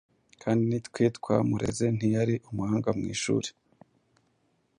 kandi nitwe twamureze. Ntiyari umuhanga mu ishuri.